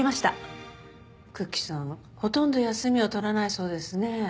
ほとんど休みを取らないそうですね。